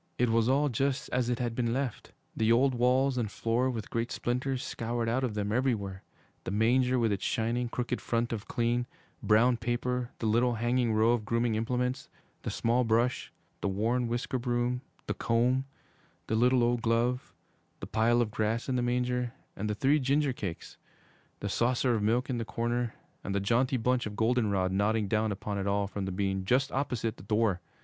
It was all just as it had been left, the old walls and floor with great splinters scoured out of them everywhere; the manger with its shining, crooked front of clean, brown paper; the little hanging row of grooming implements: the small brush, the worn whisk broom, the comb, the little old glove, the pile of grass in the manger, and the three ginger cakes, the saucer of milk in the corner and the jaunty bunch of goldenrod nodding down upon it all from the beam just opposite the door.